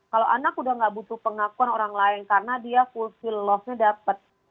kalau anak sudah tidak butuh pengakuan orang lain karena dia full fill love nya dapat